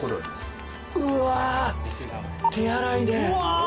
うわ手洗いで。